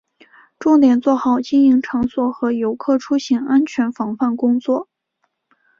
重点做好经营场所和游客出行安全防范工作